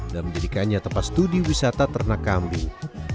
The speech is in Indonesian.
dan menjadikannya tempat studi wisata ternak kambing